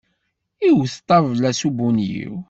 Iwet ṭṭabla-s ubunyiw.